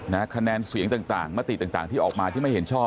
คะแนนเสียงต่างมติต่างที่ออกมาที่ไม่เห็นชอบ